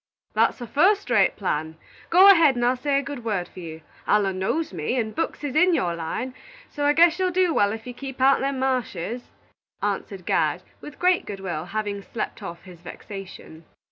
"That's a fust rate plan. Go ahead, and I'll say a good word for you. Allen knows me, and books is in your line, so I guess you'll do wal if you keep out'n the mashes," answered Gad, with great good will, having slept off his vexation.